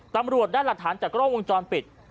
ตำรวจได้หลักฐานจากกล้องวงจรปิด